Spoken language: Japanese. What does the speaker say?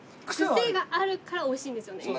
クセがあるから美味しいんですよね。